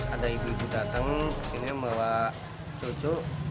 ada ibu ibu datang ke sini membawa cucu